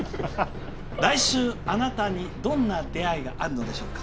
来週、あなたにどんな出会いがあるのでしょうか。